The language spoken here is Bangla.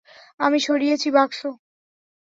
আমি সরিয়েছি, বাক্স?